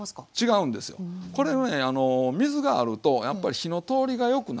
これねあの水があるとやっぱり火の通りがよくなるんですね。